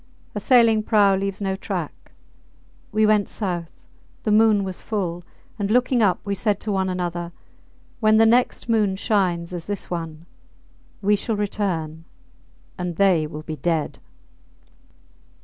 A sailing prau leaves no track. We went south. The moon was full; and, looking up, we said to one another, When the next moon shines as this one, we shall return and they will be dead.